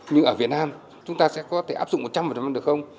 nhưng ở việt nam chúng ta sẽ có thể áp dụng một trăm linh được không